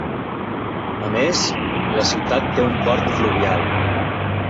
A més, la ciutat té un port fluvial.